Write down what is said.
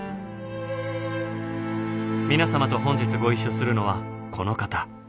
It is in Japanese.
皆様と本日ご一緒するのはこの方。